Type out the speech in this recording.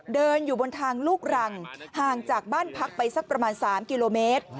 เดินอยู่บนทางลูกรังห่างจากบ้านพักไปสักประมาณ๓กิโลเมตร